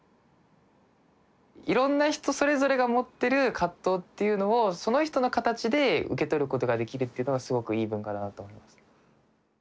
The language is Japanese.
いろんな人それぞれが持ってる葛藤っていうのをその人の形で受け取ることができるっていうのはすごくいい文化だなと思います。